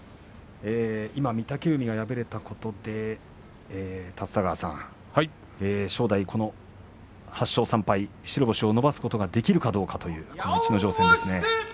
御嶽海が敗れたことで立田川さん、正代が８勝３敗白星を伸ばすことができるか逸ノ城戦。